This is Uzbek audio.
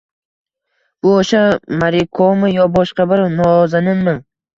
«Bu o‘sha Morikomi yo boshqa bir nozaninmi?»